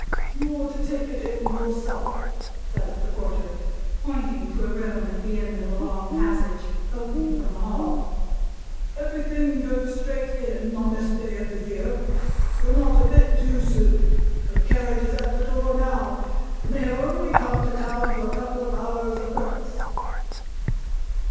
"You're to take it in yourself," said the Porter, pointing to a room at the end of a long passage, opening from the hall. "Everything goes straight in, on this day of the year. You're not a bit too soon; for the carriage is at the door now, and they have only come to town for a couple of hours, a'purpose."